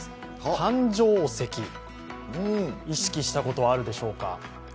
誕生石、意識したことあるでしょうか？